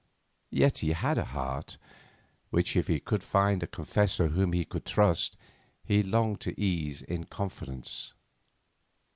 Yet he had a heart which, if he could find a confessor whom he could trust, he longed to ease in confidence.